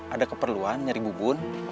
ada keperluan nyari bubun